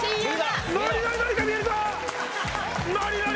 ノリノリ紀香見れるぞ！